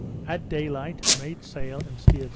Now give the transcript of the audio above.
At day light, made sail and steered S.